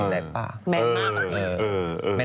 แมนมาก